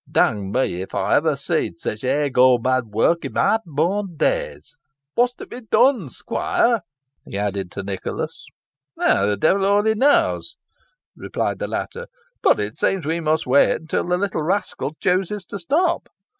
Dang me, if ey ever seed sich hey go mad wark i' my born days. What's to be done, squoire?" he added to Nicholas. "The devil only knows," replied the latter; "but it seems we must wait till the little rascal chooses to stop."